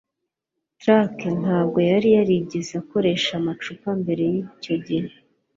Tracy ntabwo yari yarigeze akoresha amacupa mbere yicyo gihe